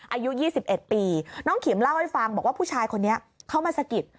อายุ๒๑ปีน้องขิมเล่าให้ฟังบอกว่าผู้ชายคนนี้เข้ามาสะกิด